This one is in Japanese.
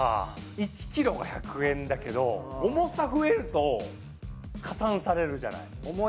１キロが１００円だけど重さ増えると加算されるじゃない。